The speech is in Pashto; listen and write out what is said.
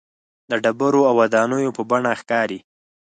د ډبرو او ودانیو په بڼه ښکاري.